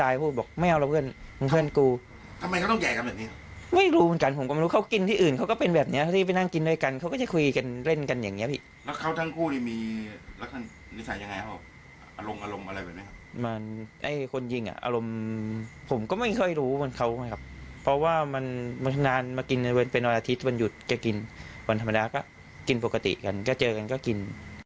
อารมณ์อะไรแบบนี้มันให้คนยิงอ่ะอารมณ์ผมก็ไม่เคยรู้ว่าเขานะครับเพราะว่ามันมันนานมากินเป็นวันอาทิตย์วันหยุดก็กินวันธรรมดาก็กินปกติกันก็เจอกันก็กิน